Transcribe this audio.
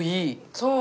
そう。